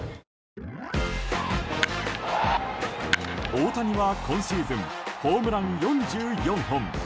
大谷は今シーズンホームラン４４本。